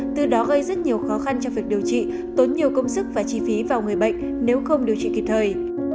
từ đó gây rất nhiều khó khăn cho việc điều trị tốn nhiều công sức và chi phí vào người bệnh nếu không điều trị kịp thời